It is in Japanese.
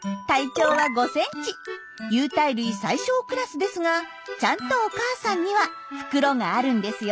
有袋類最小クラスですがちゃんとお母さんには袋があるんですよ。